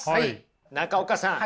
中岡さん